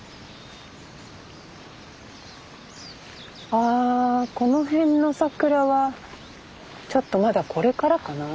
ああこの辺の桜はちょっとまだこれからかな？